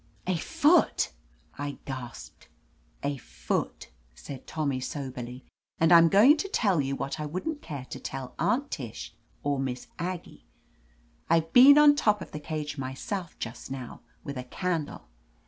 "A foot !" I gasped. "A foot," said Tommy soberly. "And I'm going to tell you what I wouldn't care to tell Aunt Tish or Miss Aggie, I've been on top of the cage myself, just now, with a candle.